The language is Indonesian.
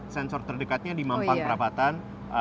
sensor terdekatnya di mampang perapatan